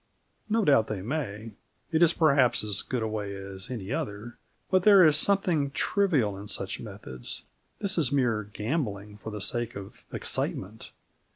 No doubt they may. It is perhaps as good a way as any other. But there is something trivial in such methods. This is mere gambling for the sake of excitement.